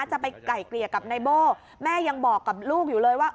จะไปไก่เกลี่ยกับนายโบ้แม่ยังบอกกับลูกอยู่เลยว่า